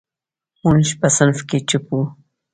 موږ په صنف کې چپ وو.